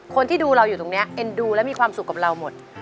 คนที่ดูเราอยู่ตรงนี้เอ็นดูและมีความสุขกับเราหมด